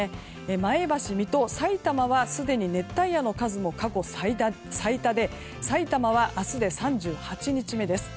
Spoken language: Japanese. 前橋、水戸、さいたまはすでに熱帯夜の数も過去最多でさいたまは明日で３８日目です。